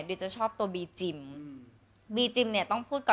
สวัสดีค่ะ